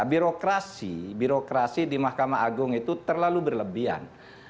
birokrasi birokrasi di mahkamah agung itu terlalu berlebihan